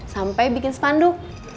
sampai bikin spandu